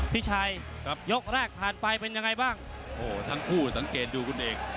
พี่ชัยกับยกแรกผ่านไปเป็นยังไงบ้างโอ้โหทั้งคู่สังเกตดูคุณเอก